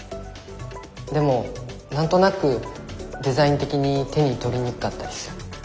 でも何となくデザイン的に手に取りにくかったりする。